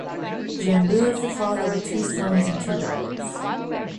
Jambu is the father of two sons and two daughters.